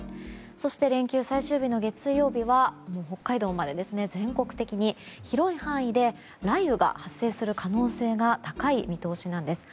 そして連休最終日の月曜日には北海道まで全国的に、広い範囲で雷雨が発生する可能性が高い見通しなんです。